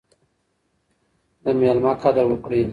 د میلمه قدر وکړئ.